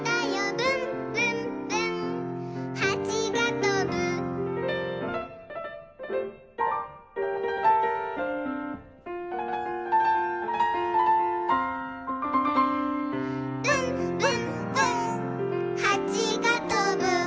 「ぶんぶんぶんはちがとぶ」「ぶんぶんぶんはちがとぶ」